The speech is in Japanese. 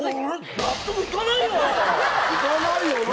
納得いかないですよね。